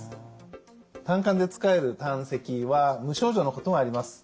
胆管でつかえる胆石は無症状のことがあります。